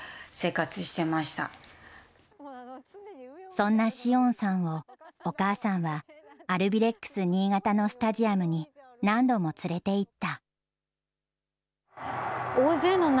そんな詩音さんを、お母さんはアルビレックス新潟のスタジアムに何度も連れていった。